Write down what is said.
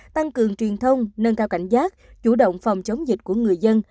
tăng cường truyền thông nâng cao cảnh giác chủ động phòng chống dịch của người dân